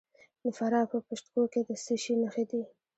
د فراه په پشت کوه کې د څه شي نښې دي؟